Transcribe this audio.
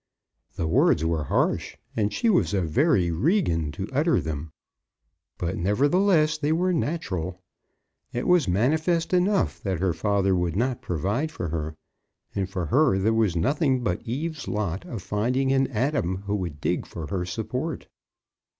The words were harsh, and she was a very Regan to utter them. But, nevertheless, they were natural. It was manifest enough that her father would not provide for her, and for her there was nothing but Eve's lot of finding an Adam who would dig for her support.